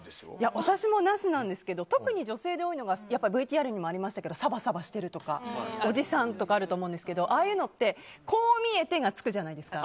私もなしなんですけど特に女性で多いのがＶＴＲにもありましたけどサバサバしてるとかあると思うんですけどああいうのって「こう見えて」がつくじゃないですか。